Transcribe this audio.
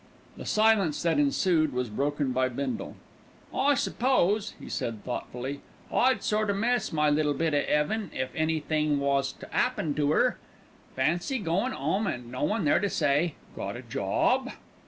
The silence that ensued was broken by Bindle. "I s'pose," he said thoughtfully, "I'd sort o' miss my little bit of 'eaven if anythink wos to 'appen to 'er. Fancy goin' 'ome an' no one there to say, 'Got a job?'"